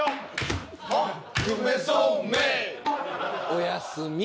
おやすみ。